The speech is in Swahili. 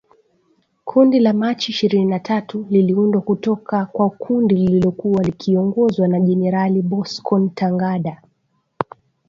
Kundi la Machi ishirini na tatu liliundwa kutoka kwa kundi lililokuwa likiongozwa na Jenerali Bosco Ntaganda